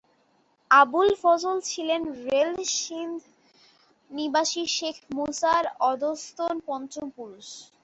আবুল ফজল ছিলেন রেল সিন্ধ নিবাসী শেখ মুসার অধস্তন পঞ্চম পুরুষ।